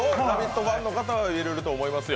ファンの方はいろいろと思いますよ。